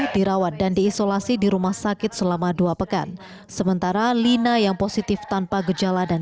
dirawat dan diisolasi di rumah sakit selama dua pekan sementara lina yang positif tanpa gejala dan